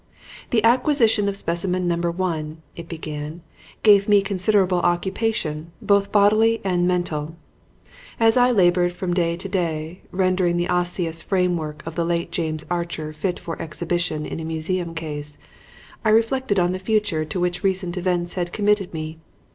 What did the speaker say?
"The acquisition of Specimen Number One," it began, "gave me considerable occupation, both bodily and mental. As I labored from day to day rendering the osseous framework of the late James Archer fit for exhibition in a museum case, I reflected on the future to which recent events had committed me.